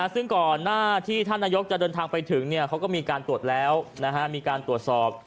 ซึ่งก่อนหน้าที่ท่านนายกจะเดินทางไปถึงเขาก็มีการตรวจแล้วมีการตรวจสอบ